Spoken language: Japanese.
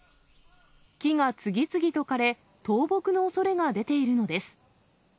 木が次々と枯れ、倒木のおそれが出ているのです。